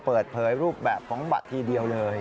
เปิดเผยรูปแบบของบัตรทีเดียวเลย